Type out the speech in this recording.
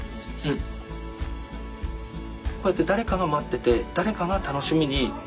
こうやって誰かが待ってて誰かが楽しみにしてくれている。